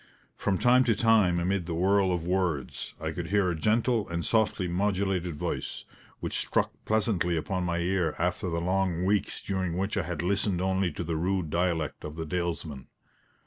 From time to time, amid the whirl of words, I could hear a gentle and softly modulated voice, which struck pleasantly upon my ear after the long weeks during which I had listened only to the rude dialect of the dalesmen.